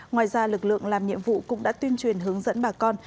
ngoài ra lực lượng làm nhiệm vụ cũng đã tuyên truyền hướng dẫn bà con